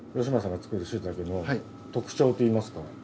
吉村さんが作る椎茸の特徴といいますか。